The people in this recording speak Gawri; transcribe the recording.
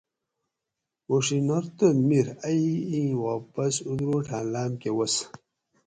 اوڛینور تہ میر ائی ای واپس اتروڑا لام کہ وس